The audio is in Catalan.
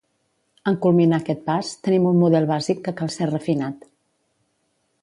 En culminar aquest pas, tenim un model bàsic que cal ser refinat.